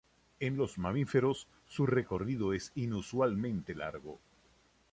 En los mamíferos, su recorrido es inusualmente largo.